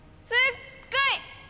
すっごい！